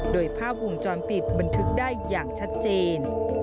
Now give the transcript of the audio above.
โดยภาพวงจรปิดบันทึกได้อย่างชัดเจน